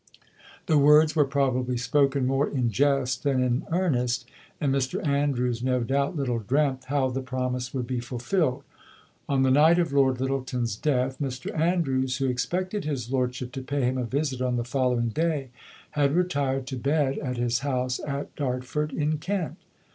The words were probably spoken more in jest than in earnest, and Mr Andrews no doubt little dreamt how the promise would be fulfilled. On the night of Lord Lyttelton's death Mr Andrews, who expected his lordship to pay him a visit on the following day, had retired to bed at his house at Dartford, in Kent.